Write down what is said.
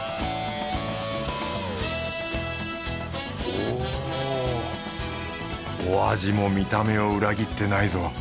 おぉお味も見た目を裏切ってないぞ。